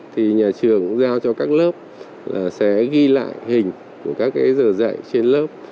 thì nhà trường giao cho các lớp là sẽ ghi lại hình của các cái giờ dạy trên lớp